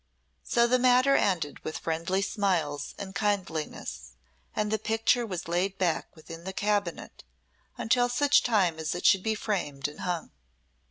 So the matter ended with friendly smiles and kindliness, and the picture was laid back within the cabinet until such time as it should be framed and hung.